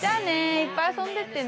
いっぱい遊んでってね。